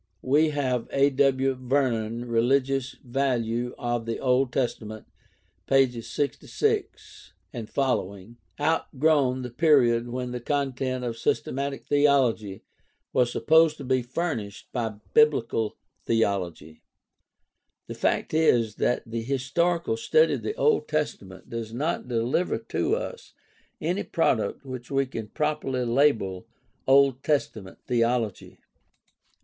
We have ' A. W. Vernon, Religious Value of the Old Testament, pp. 66 f . OLD TESTAMENT AND RELIGION OF ISRAEL 149 outgrown the period when the content of systematic theology was supposed to be furnished by bibHcal theology. The fact is that the historical study of the Old Testament does not deliver to us any product which we can properly label Old Testament theology.